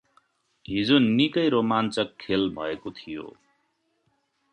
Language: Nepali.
हिजो निकै रोमाञ्चक खेल भएको थियो।